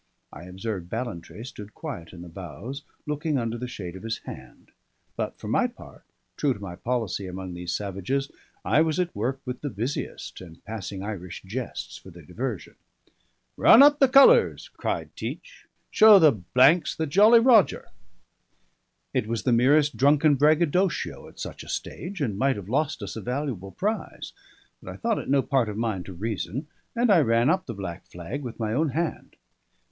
I observed Ballantrae stood quiet in the bows, looking under the shade of his hand; but for my part, true to my policy among these savages, I was at work with the busiest, and passing Irish jests for their diversion. "Run up the colours!" cried Teach. "Show the s the Jolly Roger!" It was the merest drunken braggadocio at such a stage, and might have lost us a valuable prize; but I thought it no part of mine to reason, and I ran up the black flag with my own hand.